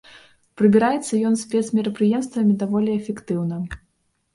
Прыбіраецца ён спецмерапрыемствамі даволі эфектыўна.